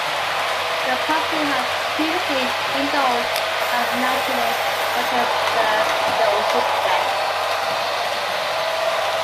The property had previously been owned by the naturalist and botanist Sir Joseph Banks.